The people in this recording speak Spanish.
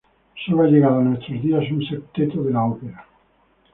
Sólo ha llegado a nuestros días un septeto de la ópera.